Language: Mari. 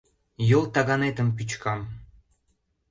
Йол таганетым пӱчкам!